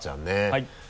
はい。